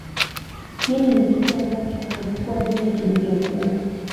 Yaani ni kitu ambacho hakikua vile kilvyokua